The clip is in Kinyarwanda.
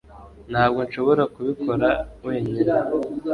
ntabwo nshobora kubikora wenyine